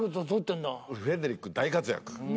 フレデリック大活躍。